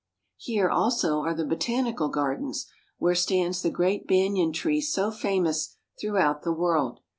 Here, also, are the botanical gardens, where stands the great banyan tree so famous throughout the world.